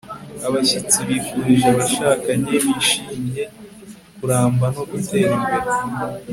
abashyitsi bifurije abashakanye bishimye kuramba no gutera imbere